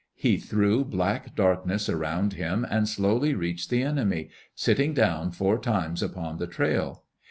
He threw black darkness around him and slowly reached the enemy, sitting down four times upon the trail.